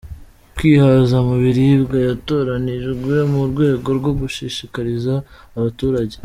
kwihaza mu biribwa", yatoranijwe mu rwego rwo gushishikariza abaturage.